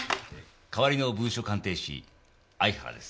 代わりの文書鑑定士相原です。